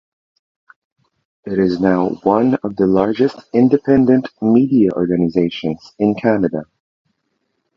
It is now one of the largest independent media organizations in Canada.